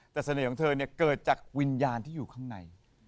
แต่เสน่ห์ของเธอเนี่ยเกิดจากวิญญาณที่อยู่ข้างใน